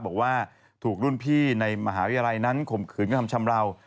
บอกว่าถูกรุ่นพี่ในมหาวิทยาลัยนั้นข่มขืนกระทำชำราว